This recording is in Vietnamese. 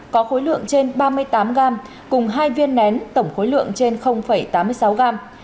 có khối lượng trên ba mươi tám gram cùng hai viên nén tổng khối lượng trên tám mươi sáu gram